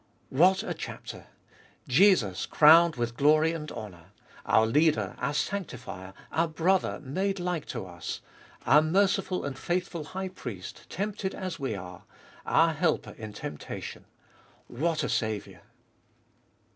1. What a chapter 1 Jesus crowned with glory and honour. Our Leader, our Sanctifler, our Brother, made like to us, our merciful and faithful High Priest, tempted as we are, our helper in temptation. What a Saviour!